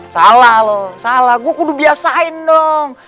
salah loh salah gua kudu biasain dong